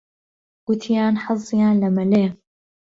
گوتیان حەزیان لە مەلەیە.